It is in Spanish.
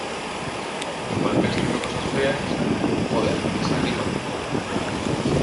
igual pensando cosas feas... joder, que se arrima.